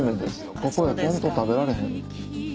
ここに来んと食べられへん。